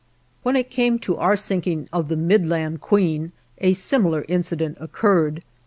When it came to our sinking of the "Midland Queen" a similar incident occurred.